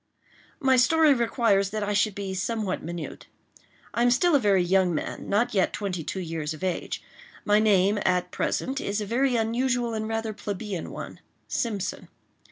My story requires that I should be somewhat minute. I am still a very young man—not yet twenty two years of age. My name, at present, is a very usual and rather plebeian one—Simpson.